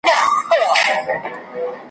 نه په غم کي د ګورم نه د ګوروان وو `